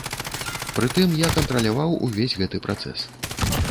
Пры тым я кантраляваў увесь гэты працэс.